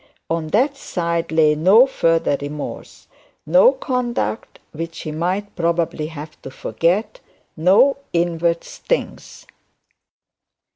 On that side lay no future remorse, no conduct which he might probably have to forget, no inward stings.